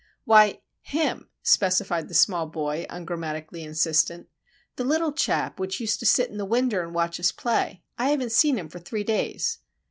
"Why, him," specified the small boy, ungrammatically insistent. "The little chap which used to sit in the winder and watch us play. I haven't seen him for three days."